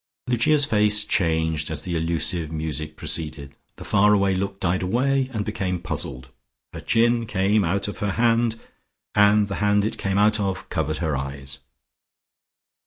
Lucia's face changed as the elusive music proceeded. The far away look died away, and became puzzled; her chin came out of her hand, and the hand it came out of covered her eyes.